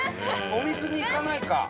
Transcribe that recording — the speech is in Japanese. お水に行かないか。